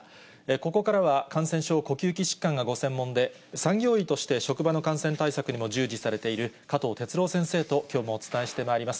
ここからは、感染症、呼吸器疾患がご専門で、産業医として職場の感染対策にも従事されている加藤哲朗先生ときょうもお伝えしてまいります。